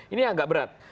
ini agak berat